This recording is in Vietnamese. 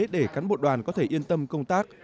để cán bộ đoàn có thể yên tâm công tác